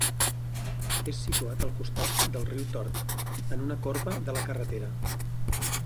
És situat al costat del riu Tort, en una corba de la carretera.